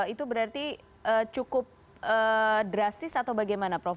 itu berarti cukup drastis atau bagaimana prof